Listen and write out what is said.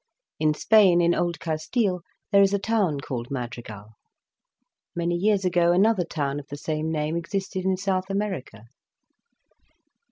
In Spain, in Old Castile, there is a town called "Madrigal." Marry years ago another town of the same name existed in South America.